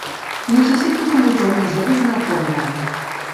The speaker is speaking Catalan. Necessito que m'ho tornis a dir una altra vegada.